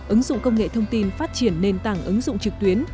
ứng dụng công nghệ thông tin phát triển nền tảng ứng dụng trực tuyến